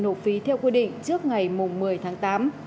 nộp phí theo quy định trước ngày một mươi tháng tám